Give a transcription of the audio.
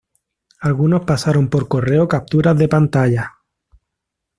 algunos pasaron por correo capturas de pantallas